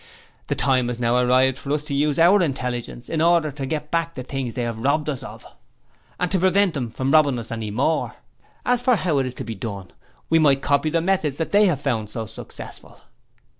The time has now arrived for us to use our intelligence in order to get back the things they have robbed us of, aid to prevent them from robbing us any more. As for how it is to be done, we might copy the methods that they have found so successful.'